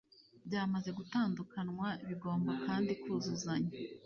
byamaze gutandukanwa bigomba kandi kuzuzanya